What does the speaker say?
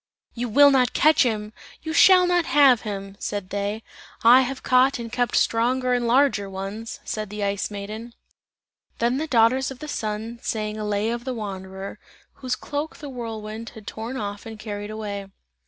"You will not catch him! You shall not have him!" said they. "I have caught and kept stronger and larger ones!" said the Ice Maiden. Then the daughters of the Sun sang a lay of the wanderer, whose cloak the whirlwind had torn off and carried away.